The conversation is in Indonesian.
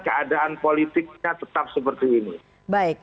keadaan politiknya tetap seperti ini